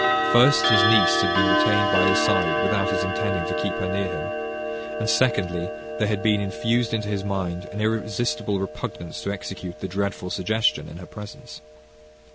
First, his niece had been retained by his side without his intending to keep her near him; and, secondly, there had been infused into his mind an irresistible repugnance to execute the dreadful suggestion in her presence.